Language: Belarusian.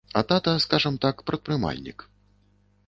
А тата, скажам так, прадпрымальнік.